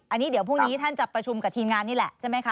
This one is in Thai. อันนี้เดี๋ยวพรุ่งนี้ท่านจะประชุมกับทีมงานนี่แหละใช่ไหมคะ